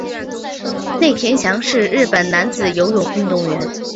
内田翔是日本男子游泳运动员。